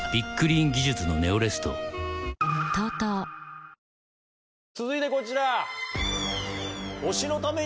リーン技術のネオレスト続いてこちら。